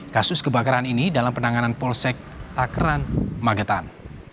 kasus kebakaran ini dalam penanganan polsek takran magetan